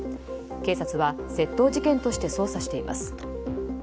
警察は窃盗事件として捜査しています。